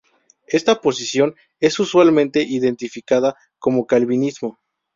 Esta posición es usualmente identificada como Calvinismo.